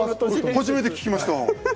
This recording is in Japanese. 初めて聞きました。